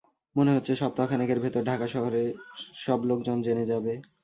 মনে হচ্ছে সপ্তাহখানেকের ভেতর ঢাকা শহরের সব লোক জেনে যাবে।